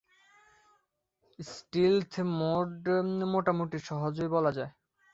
স্টিলথ mode মোটামুটি সহজই বলা যায়।